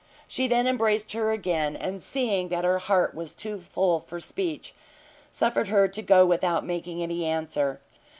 She then embraced her again, and seeing that her heart was too full for speech, suffered her to go without making any answer.